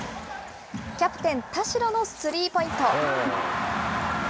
キャプテン、田代のスリーポイント。